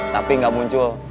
tapi gak muncul